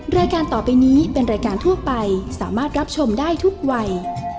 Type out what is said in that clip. รายการต่อไปนี้เป็นรายการทั่วไปสามารถรับชมได้ทุกวัย